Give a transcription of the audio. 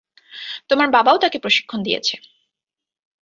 তোমার বাবাও তাকে প্রশিক্ষণ দিয়েছে।